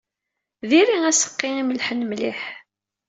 Diri aseqqi imellḥen mliḥ.